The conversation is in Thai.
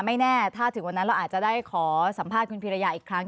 ไม่แน่ถ้าถึงวันนั้นเราอาจจะได้ขอสัมภาษณ์คุณพิรยาอีกครั้ง